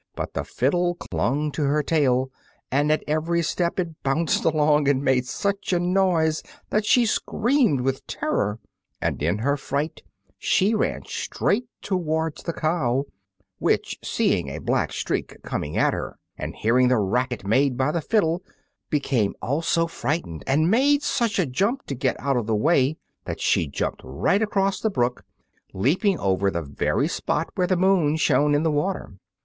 But still the fiddle clung to her tail, and at every step it bounded along and made such a noise that she screamed with terror. And in her fright she ran straight towards the cow, which, seeing a black streak coming at her, and hearing the racket made by the fiddle, became also frightened and made such a jump to get out of the way that she jumped right across the brook, leaping over the very spot where the moon shone in the water!